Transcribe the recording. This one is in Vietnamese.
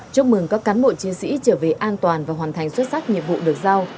chúc mừng các cán bộ chiến sĩ trở về an toàn và hoàn thành xuất sắc nhiệm vụ được giao